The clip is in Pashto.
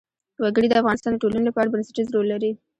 وګړي د افغانستان د ټولنې لپاره بنسټيز رول لري.